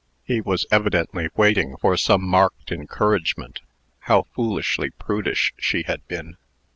He was evidently waiting for some marked encouragement. How foolishly prudish she had been!